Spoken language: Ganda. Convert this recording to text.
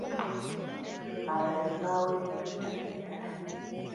Abalimi baweereddwa ettaka eddala.